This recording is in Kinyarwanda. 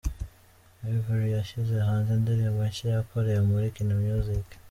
Yverry yashyize hanze indirimbo nshya yakoreye muri Kina Music.